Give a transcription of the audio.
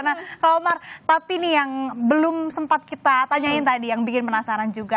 nah romar tapi nih yang belum sempat kita tanyain tadi yang bikin penasaran juga